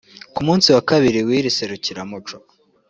Ku munsi wa kabiri w’iri serukiramuco